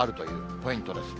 ポイントです。